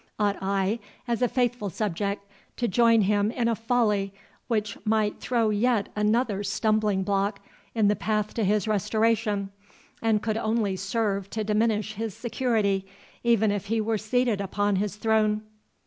Ought I, as a faithful subject, to join him in a folly, which might throw yet another stumbling block in the path to his restoration, and could only serve to diminish his security, even if he were seated upon his throne?"